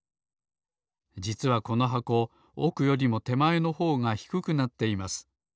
じつはこの箱おくよりもてまえのほうがひくくなっています。